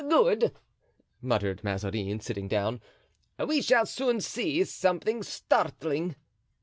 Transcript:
"Good," muttered Mazarin, sitting down, "we shall soon see something startling."